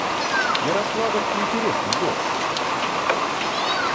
Ярославль — интересный город